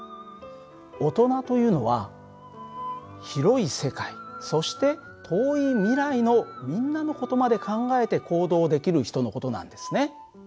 大人というのは広い世界そして遠い未来のみんなの事まで考えて行動できる人の事なんですね。